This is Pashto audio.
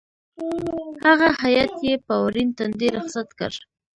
هغه هېئت یې په ورین تندي رخصت کړ.